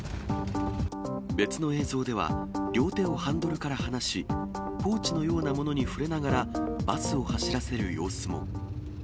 別の映像では、両手をハンドルから離し、ポーチのようなものに触れながら、バスを走らせる様子も。